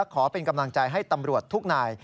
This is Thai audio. ขอเป็นกำลังใจให้ตำรวจทุกนาย